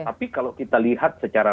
tapi kalau kita lihat secara